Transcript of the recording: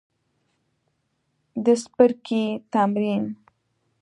د څپرکي تمرین